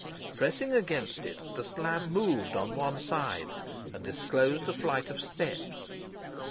Pressing against it, the slab moved on one side, and disclosed a flight of steps.